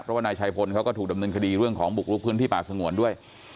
เพราะว่านายชัยพลเขาก็ถูกดำเนินคดีเรื่องของบุกลุกพื้นที่ป่าสงวนด้วย